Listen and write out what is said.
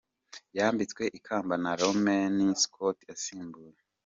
Yambitswe ikamba na Romanie Schotte asimbuye.